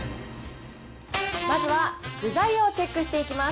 まずは具材をチェックしていきます。